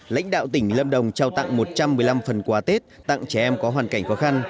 lãnh đạo tỉnh lâm đồng trao tặng một trăm một mươi năm phần quà tết tặng trẻ em có hoàn cảnh khó khăn